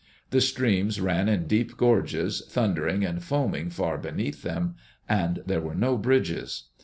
The streams ran in deep gorges, thundering and foaming far beneath them; and there were no bridges.